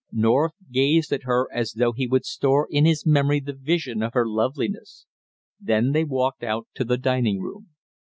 North gazed at her as though he would store in his memory the vision of her loveliness. Then they walked out to the dining room.